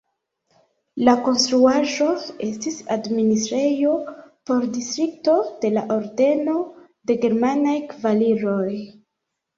La konstruaĵo estis administrejo por distrikto de la Ordeno de germanaj kavaliroj.